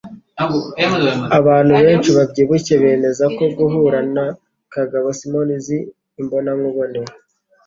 Abantu benshi babyibushye bemeza ko guhura na Kagabo Simmons imbonankubone